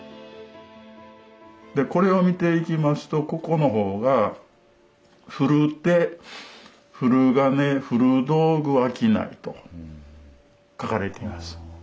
でこれを見ていきますとここの方が「古手古金古道具商い」と書かれています。